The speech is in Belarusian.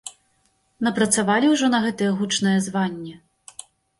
Напрацавалі ўжо на гэтае гучнае званне?